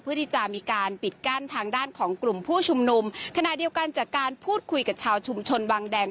เพื่อที่จะมีการปิดกั้นทางด้านของกลุ่มผู้ชุมนุมขณะเดียวกันจากการพูดคุยกับชาวชุมชนวังแดง